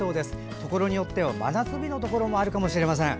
ところによっては真夏日のところもあるかもしれません。